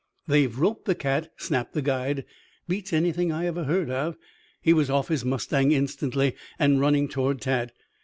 "They've roped the cat," snapped the guide. "Beats anything I ever heard of." He was off his mustang instantly and running toward Tad.